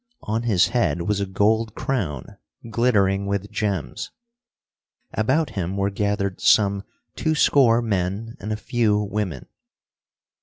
On his head was a gold crown glittering with gems. About him were gathered some twoscore men and a few women.